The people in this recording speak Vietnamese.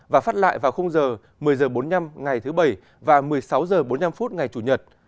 và phát lại vào h một mươi h bốn mươi năm ngày thứ bảy và một mươi sáu h bốn mươi năm phút ngày chủ nhật